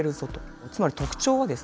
つまり特徴はですね